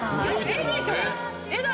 絵でしょ。